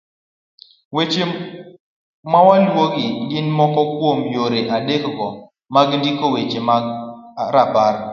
Weche maluwogi gin moko kuom yore adekgo mag ndiko weche mag rapar